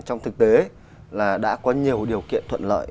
trong thực tế là đã có nhiều điều kiện thuận lợi